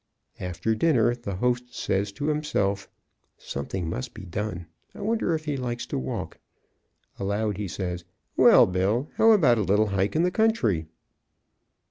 After dinner the host says to himself: "Something must be done. I wonder if he likes to walk." Aloud, he says: "Well, Bill, how about a little hike in the country?"